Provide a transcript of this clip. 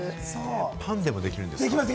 パンでもできるんですね。